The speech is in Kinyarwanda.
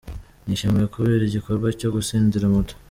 Nishimye kubera igikorwa cyo gutsindira moto.